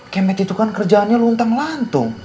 kemit itu kan kerjaannya luntang lantung